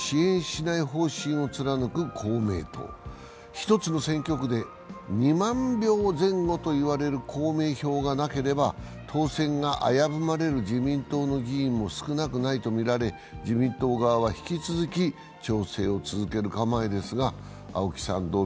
１つの選挙区で２万票前後といわれる公明票がなければ当選が危ぶまれる自民党の議員も少なくないとみられ、自民党側は引き続き調整を続ける構えです。